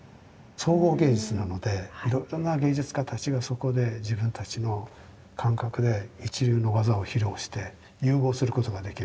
総合芸術なのでいろいろな芸術家たちがそこで自分たちの感覚で一流の技を披露して融合することができる。